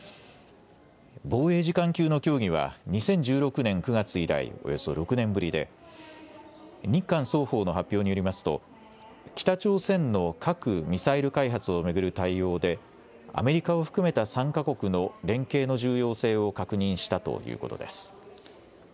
防衛次官級の協議は２０１６年９月以来およそ６年ぶりで日韓双方の発表によりますと北朝鮮の核・ミサイル開発を巡る対応でアメリカを含めた３か国の連携の重要性を確認したということです。